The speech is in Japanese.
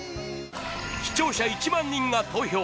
視聴者１万人が投票！